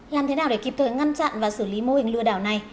làm thế nào để kịp thời ngăn chặn và xử lý mô hình lừa đảo này